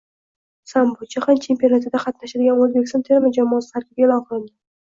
Sambo: Jahon chempionatida qatnashadigan O‘zbekiston terma jamoasi tarkibi e’lon qilinding